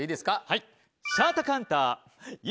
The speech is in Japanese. はい。